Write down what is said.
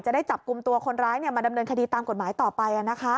ได้จับกลุ่มตัวคนร้ายมาดำเนินคดีตามกฎหมายต่อไป